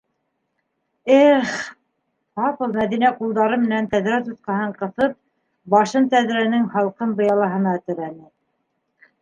Эх!.. - ҡапыл Мәҙинә ҡулдары менән тәҙрә тотҡаһын ҡыҫып, башын тәҙрәнең һалҡын быялаһына терәне: